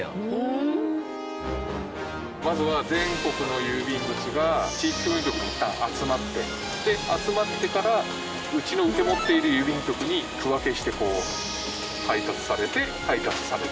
まずは全国の郵便物が地域区分局にいったん集まってで集まってからうちの受け持っている郵便局に区分けしてこう配達されて配達される。